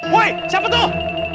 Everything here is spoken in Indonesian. woy siapa tuh